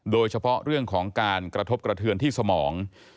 โดยเฉพาะเรื่องของการกระทบกระเทือนที่สมอง